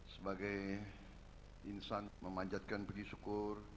sebagai insan memanjatkan puji syukur